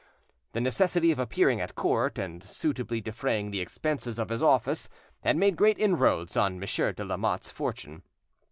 The necessity of appearing at court and suitably defraying the expenses of his office had made great inroads on Monsieur de Lamotte's fortune.